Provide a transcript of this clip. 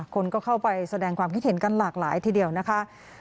คนก็เข้าไปแสดงความคิดเห็นกันหลากหลายทีเดียวนะคะ